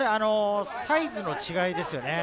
サイズの違いですよね。